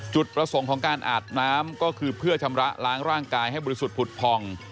จุดประสงค์ของการอาบน้ำก็คือเพื่อชำระล้างร่างกายให้บริสุทธิ์ผุดผ่อง